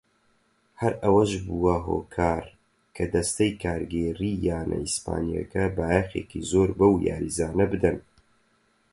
هەر ئەوەش بووە هۆکار کە دەستەی کارگێڕیی یانە ئیسپانییەکە بایەخێکی زۆر بەو یاریزانە بدەن.